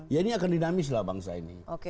ya ini akan dinamis lah bangsa ini